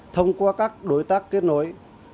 thông qua các đối tác kết nối